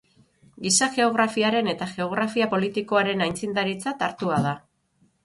Giza Geografiaren eta Geografia Politikoaren aitzindaritzat hartua da.